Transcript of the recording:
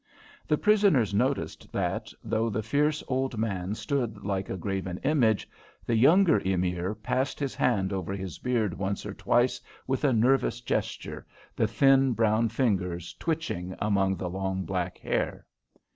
The prisoners noticed that, though the fierce, old man stood like a graven image, the younger Emir passed his hand over his beard once or twice with a nervous gesture, the thin, brown fingers twitching among the long, black hair.